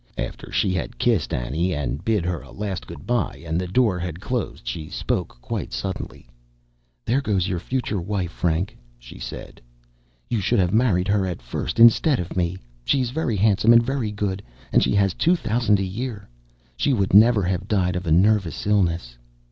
After she had kissed Annie and bid her a last good bye, and the door had closed, she spoke quite suddenly: "There goes your future wife, Frank," she said; "you should have married her at first instead of me; she is very handsome and very good, and she has two thousand a year; she would never have died of a nervous illness."